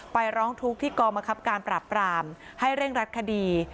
ร้องทุกข์ที่กรมคับการปราบปรามให้เร่งรัดคดี